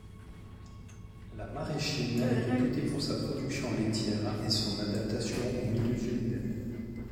La maraîchine est réputée pour sa production laitière et son adaptation aux milieux humides.